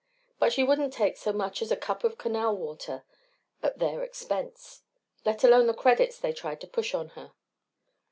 But she wouldn't take so much as a cup of Canal water at their expense, let alone the credits they tried to push on her.